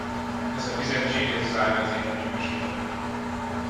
Ez a fizetség, ez az ára az én bűvös italomnak!